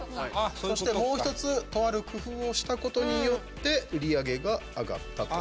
そして、もう一つとある工夫をしたことによって売り上げが上がったと。